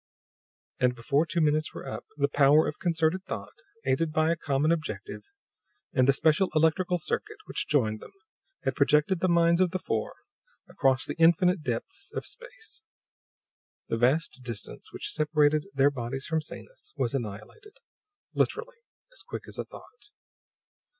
And before two minutes were up, the power of concerted thought, aided by a common objective and the special electrical circuit which joined them, had projected the minds of the four across the infinite depths of space. The vast distance which separated their bodies from Sanus was annihilated, literally as quick as thought.